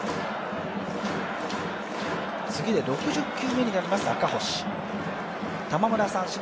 次で６０球目になります赤星。